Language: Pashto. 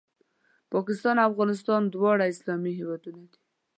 پاکستان او افغانستان دواړه اسلامي هېوادونه دي